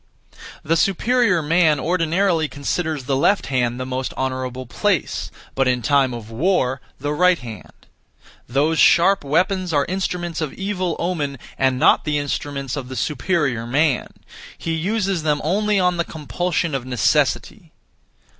The superior man ordinarily considers the left hand the most honourable place, but in time of war the right hand. Those sharp weapons are instruments of evil omen, and not the instruments of the superior man; he uses them only on the compulsion of necessity.